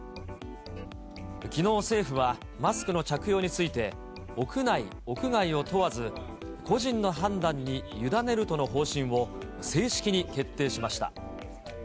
きのう政府は、マスクの着用について、屋内、屋外を問わず、個人の判断に委ねるとの方針を、正式に決定しました。